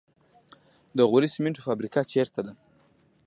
د غوري سمنټو فابریکه چیرته ده؟